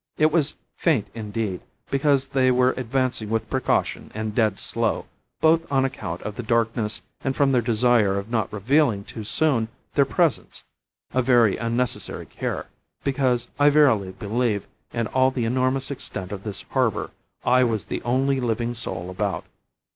It was faint indeed, because they were advancing with precaution and dead slow, both on account of the darkness and from their desire of not revealing too soon their presence: a very unnecessary care, because, I verily believe, in all the enormous extent of this harbour I was the only living soul about.